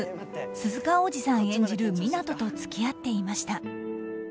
鈴鹿央士さん演じる湊斗と付き合っていました。